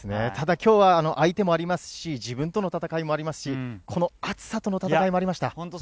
今日は相手もありますし、自分のとの戦いでもありますし、暑さとの戦いもありました。